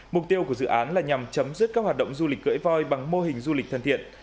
mục tiêu của dự án là nhằm chấm dứt các hoạt động du lịch cưỡi voi bằng mô hình du lịch thân thiện